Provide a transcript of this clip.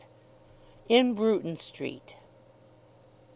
IN BRUTON STREET.